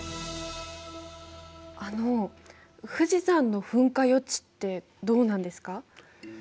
あの富士山の噴火予知ってどうなんですか？